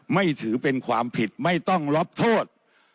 ไม่ถือเป็นความผิดไม่ต้องรับโทษ